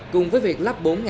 cùng với việc lắp bốn tuyến xe